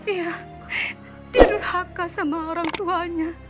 ya dia berdurhaka kepada orang tuanya